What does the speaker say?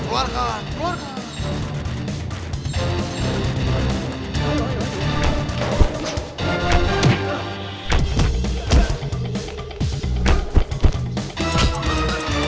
keluar kalah keluar